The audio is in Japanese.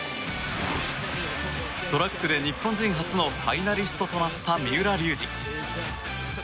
トラックで日本人初のファイナリストとなった三浦龍司。